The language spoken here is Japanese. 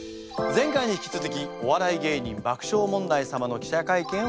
前回に引き続きお笑い芸人爆笑問題様の記者会見を行います。